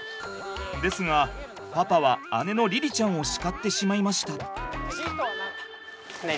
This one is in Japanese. ですがパパは姉の凛々ちゃんを叱ってしまいました。